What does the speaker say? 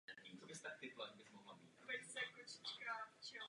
Třetím výraznějším pohořím jsou na severovýchodě Kolumbijské hory.